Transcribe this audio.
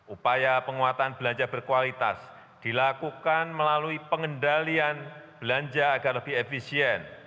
upaya penguatan belanja berkualitas dilakukan melalui pengendalian belanja agar lebih efisien